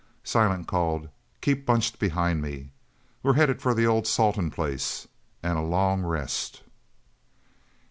Silent called: "Keep bunched behind me. We're headed for the old Salton place an' a long rest."